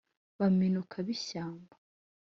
baminuka b’i shyamba